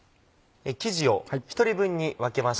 生地を１人分に分けました。